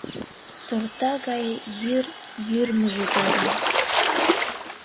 Сорта гае йӱр йӱрмыжӧ годым